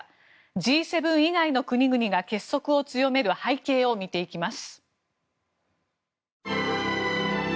Ｇ７以外の国々が結束を強める背景を見ていきます。